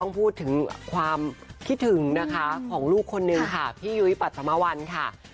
พูดถึงความคิดถึงนะคะของลูกคนนึงค่ะพี่ยุ้ยปัสมวัลค่ะ